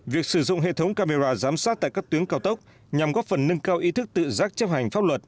việc sử dụng hệ thống camera giám sát tại các tuyến cao tốc nhằm góp phần nâng cao ý thức tự giác chấp hành pháp luật